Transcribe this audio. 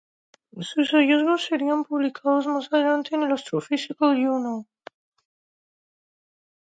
Sus hallazgos serían publicados más adelante en the Astrophysical Journal.